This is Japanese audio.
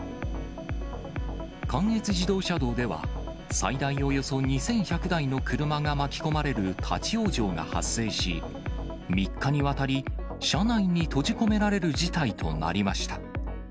関越自動車道では、最大およそ２１００台の車が巻き込まれる立往生が発生し、３日にわたり、車内に閉じ込められる事態となりました。